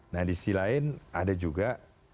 nah di sisi lain ada juga